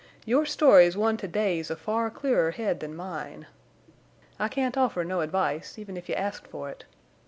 Your story's one to daze a far clearer head than mine. I can't offer no advice, even if you asked for it.